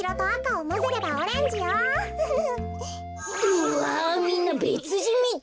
うわみんなべつじんみたい。